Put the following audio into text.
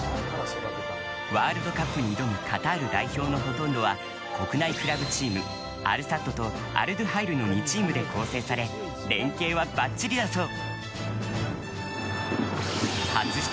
ワールドカップに挑むカタール代表のほとんどは国内クラブチームアルサッドとアルドゥハイルの２チームで構成され連係はバッチリだそう。